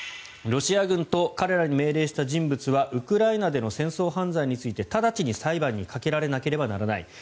ロシア軍と彼らに命令した人物はウクライナでの戦争犯罪について直ちに裁判にかけられなければならない。